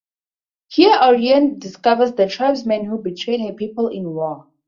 Here Auriane discovers the tribesman who betrayed her people in war.